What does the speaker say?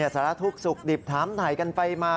สารทุกข์สุขดิบถามถ่ายกันไปมา